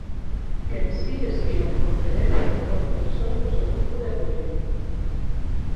Quen si estivo na conferencia foron persoas do seu grupo de apoio.